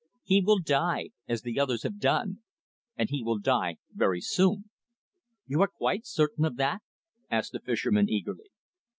He will die as the others have done. And he will die very soon!" "You are quite certain of that?" asked the fisherman eagerly.